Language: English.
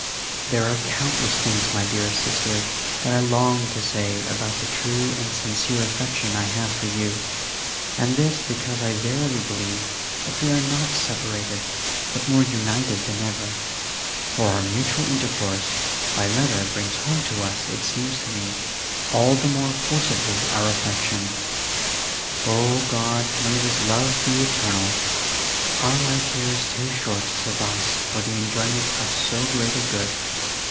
There are countless things, my dearest Sister, that I long to say about the true and sincere affection I have for you, and this because I verily believe that we are not separated, but more united than ever, for our mutual intercourse by letter brings home to us, it seems to me, all the more forcibly our affection. O God! may this love be eternal: our life here is too short to suffice for the enjoyment of so great a good!